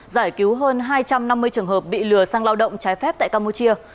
giải cứu hơn hai trăm năm mươi trường hợp bị lừa sang lao động trái phép tại campuchia